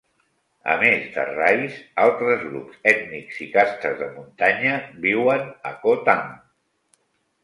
A més de Rais, altres grups ètnics i castes de muntanya viuen a Khotang.